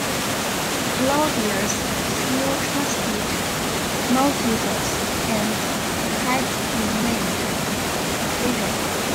Claudius still trusted Narcissus, and had him named "praetor".